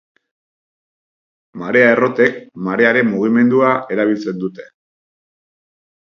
Marea-errotek marearen mugimendua erabiltzen dute.